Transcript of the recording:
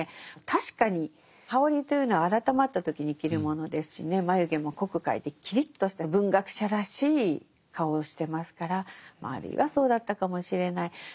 確かに羽織というのは改まった時に着るものですしね眉毛も濃く描いてキリッとした文学者らしい顔をしてますからあるいはそうだったかもしれない。